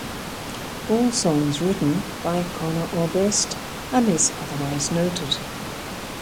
All songs written by Conor Oberst unless otherwise noted.